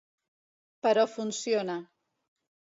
Però funciona.